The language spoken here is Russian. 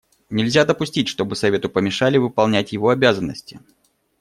Нельзя допустить, чтобы Совету помешали выполнять его обязанности.